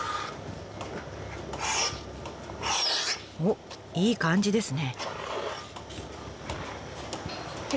おっいい感じですね。